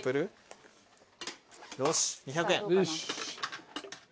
よし２００円。